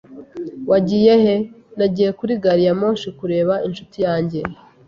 "Wagiye he?" "Nagiye kuri gari ya moshi kureba inshuti yanjye."